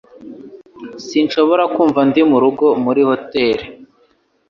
Sinshobora kumva ndi murugo muri hoteri